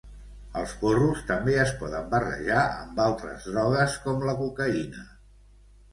Els porros també es poden barrejar amb altres drogues, com la cocaïna.